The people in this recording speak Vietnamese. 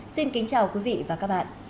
xin kính chào quý vị và các bạn